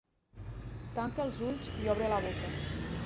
Tanca els ulls i obre la boca.